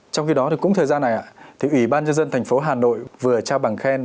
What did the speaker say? trong khi đó thì cũng thời gian này thì ủy ban nhân dân thành phố hà nội vừa trao bằng khen